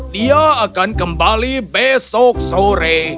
dia akan kembali besok sore